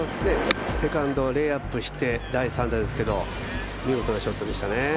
セカンド、レイアップして第３打ですけど見事なショットでしたね。